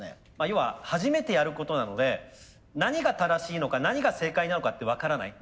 要は初めてやることなので何が正しいのか何が正解なのかって分からない。